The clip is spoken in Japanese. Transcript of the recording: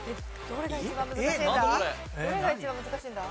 どれが一番難しいんだ？